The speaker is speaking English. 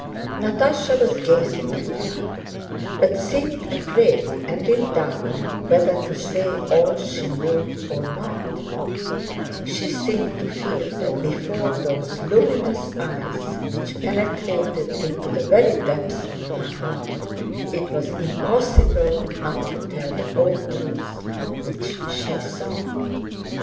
Natásha was gazing at her, but seemed afraid and in doubt whether to say all she knew or not; she seemed to feel that before those luminous eyes which penetrated into the very depths of her heart, it was impossible not to tell the whole truth which she saw.